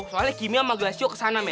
soalnya kimi sama glasio kesana men